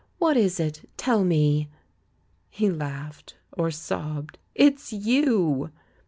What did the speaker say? What is it? Tell me!" He laughed — or sobbed: "It's you!"